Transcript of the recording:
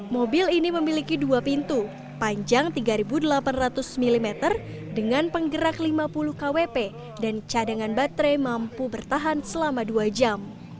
mobil ini memiliki dua pintu panjang tiga delapan ratus mm dengan penggerak lima puluh kwp dan cadangan baterai mampu bertahan selama dua jam